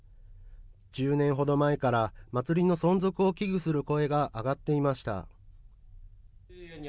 １０年ほど前から祭りの存続を危惧する声が上がっていました。